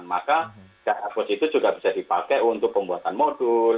maka karbos itu juga bisa dipakai untuk pembuatan modul